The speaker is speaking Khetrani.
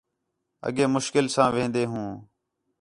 اڳّے مشکل ساں وھین٘دے ہوں